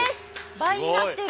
倍になってる！